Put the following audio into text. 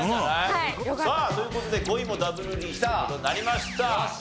さあという事で５位もダブルリーチという事になりました。